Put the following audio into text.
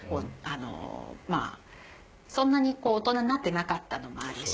まあそんなにこう大人になってなかったのもあるし。